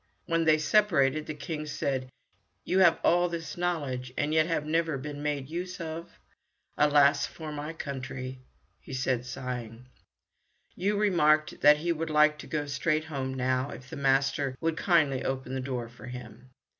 When they separated the King said, "You have all this knowledge and yet have never been made use of? Alas, for my country!" said he, sighing. Yoo remarked that he would like to go straight home now, if the master would kindly open the door for him.